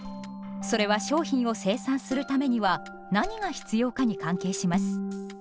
それは商品を生産するためには何が必要かに関係します。